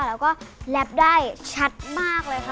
แล้วก็แลปได้ชัดมากเลยค่ะ